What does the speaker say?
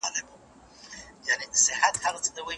سياسي قدرت به د ټولني د ثقل مرکز پاته سي.